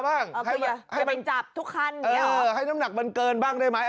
เออคืออย่าให้มันจับทุกคันเออให้น้ำหนักมันเกินบ้างได้ไหม